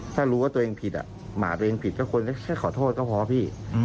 ถ้ารู้ว่าตัวเองผิดหมาตัวเองผิดก็ควรจะแค่ขอโทษก็พอพี่